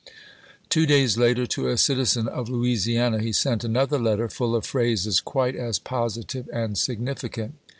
Two days later to a citizen of Louisiana he sent another letter, full of phrases quite as positive and significant.